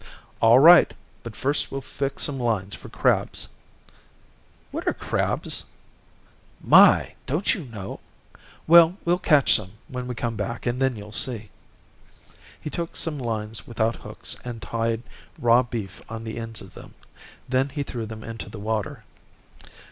"All right, but first we'll fix some lines for crabs." "What are crabs?" "My, don't you know? Well, we'll catch some when we come back and then you'll see." He took some lines without hooks and tied raw beef on the ends of them. Then he threw them into the water.